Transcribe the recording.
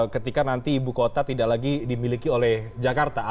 ketika nanti ibu kota tidak lagi dimiliki oleh jakarta